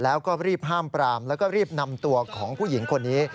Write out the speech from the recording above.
แล้วก็รีบห้ามปรามแล้วก็รีบนำตัวของผู้หญิงคนนี้